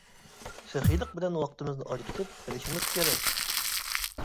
سېخىيلىق بىلەن ۋاقتىمىزنى ئاجرىتىپ بېرىشىمىز كېرەك.